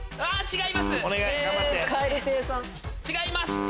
違います。